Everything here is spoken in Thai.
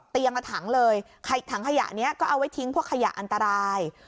ถังเลยถังขยะนี้ก็เอาไว้ทิ้งพวกขยะอันตราย